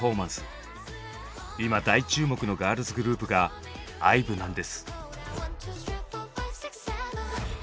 今大注目のガールズグループがＩＶＥなんです。